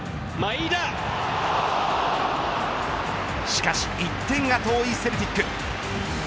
しかし１点が遠いセルティック。